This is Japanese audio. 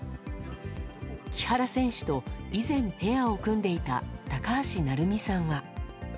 木原選手と以前ペアを組んでいた高橋成美さんは。